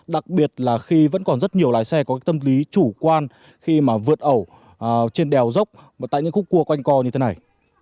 đặc biệt là khi vẫn còn rất nhiều lái xe có tâm lý chủ quan khi mà vượt ẩu trên đèo dốc tại những khúc cua quanh co như thế này